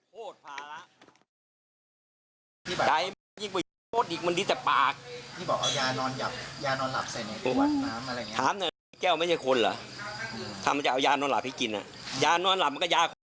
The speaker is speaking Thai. เพราะว่ามันเครียดไม่รู้ว่าเครียดอะไรของมันผมไม่รู้